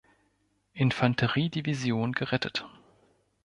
Infanterie-Division gerettet.